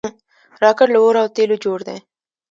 راکټ له اور او تیلو جوړ دی